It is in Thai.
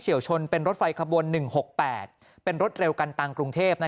วชนเป็นรถไฟขบวน๑๖๘เป็นรถเร็วกันตังกรุงเทพ